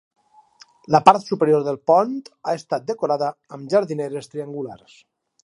La part superior del pont ha estat decorada amb jardineres triangulars.